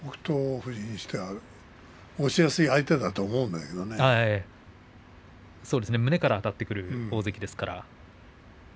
富士にしては押しやすい相手だと胸からあたってくる大関ですから。